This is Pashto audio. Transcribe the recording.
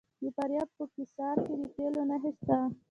د فاریاب په قیصار کې د تیلو نښې شته.